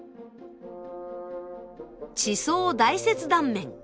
地層大切断面。